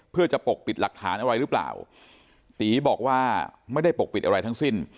เพื่อจะปกปิดหลักฐานอะไรหรือเปล่าตีบอกว่าไม่ได้ปกปิดอะไรทั้งสิ้น